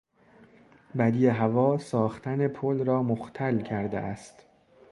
بدی هوا ساختن پل را مختل کرده است.